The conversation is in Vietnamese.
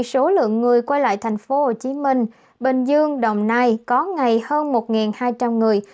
số lượng người qua lại tp hcm bình dương đồng nai có ngày hơn một hai trăm linh người